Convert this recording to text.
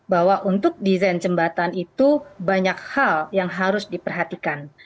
bahwa untuk desain jembatan itu banyak hal yang harus diperhatikan